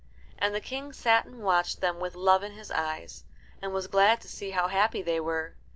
And the King sat and watched them with love in his eyes, and was glad to see how happy they were.